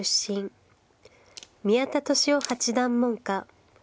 宮田利男八段門下。